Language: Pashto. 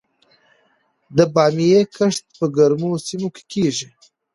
د بامیې کښت په ګرمو سیمو کې کیږي؟